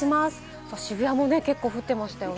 渋谷も結構降ってましたよね。